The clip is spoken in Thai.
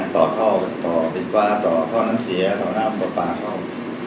ต่อเท่าต่อผิดฟ้าต่อเท่าน้ำเสียต่อน้ำปลาเขา